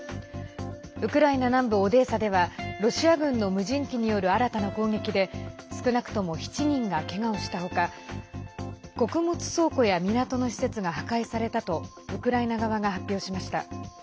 ウクライナ南部オデーサではロシア軍の無人機による新たな攻撃で少なくとも７人がけがをした他穀物倉庫や港の施設が破壊されたとウクライナ側が発表しました。